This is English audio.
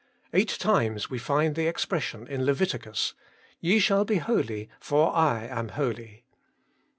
Eight times we find the expression in Leviticus, ' Ye shall be holy, for I am holy.'